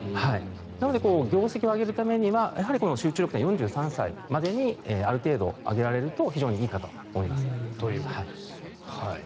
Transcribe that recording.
なので、業績を上げるためには集中力は４３歳までにある程度、上げられると非常にいいかと思います。